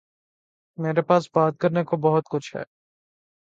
میرے پاس بات کرنے کو بہت کچھ ہے